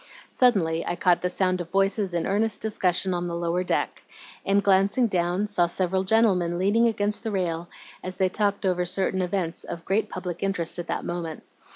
Suddenly I caught the sound of voices in earnest discussion on the lower deck, and, glancing down, saw several gentlemen leaning against the rail as they talked over certain events of great public interest at that moment.